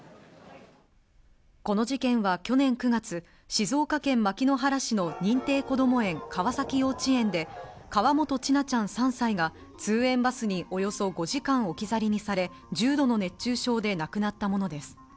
この事件は去年９月、静岡県牧之原市の認定こども園、川崎幼稚園で、河本千奈ちゃん３歳が通園バスにおよそ５時間置き去りにされ、重度の熱中症で亡くなったものです。